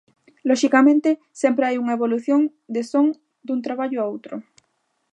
Loxicamente sempre hai unha evolución de son dun traballo a outro.